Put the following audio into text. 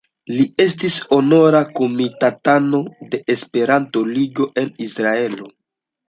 Li estis honora komitatano de Esperanto-Ligo en Israelo.